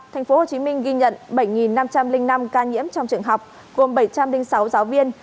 tp hcm ghi nhận bảy năm trăm linh năm ca nhiễm trong trường học gồm bảy trăm linh sáu giáo viên